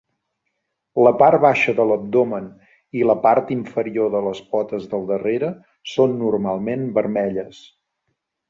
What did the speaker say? La part baixa de l'abdomen i la part inferior de les potes del darrere són normalment vermelles.